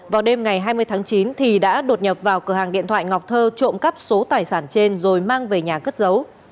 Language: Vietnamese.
vào đêm ngày hai mươi tháng chín thì đã đột nhập vào cửa hàng điện thoại ngọc thơ trộm cắp số tài sản trên rồi mang về nhà cất giấu